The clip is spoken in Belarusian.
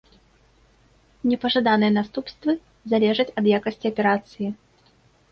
Непажаданыя наступствы залежаць ад якасці аперацыі.